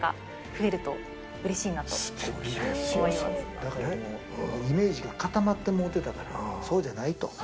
だからもうイメージが固まってもうてたから「そうじゃない」と。